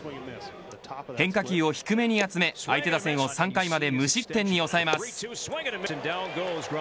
変化球を低めに集め相手打線を３回まで無失点に抑えます。